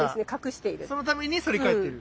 そのために反り返ってる。